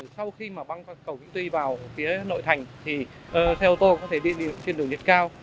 sau khi mà băng qua cầu vĩnh tuy vào phía nội thành thì xe ô tô có thể đi trên đường nhiệt cao